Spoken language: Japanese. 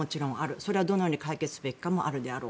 それをどのように解決すべきかもあるだろう。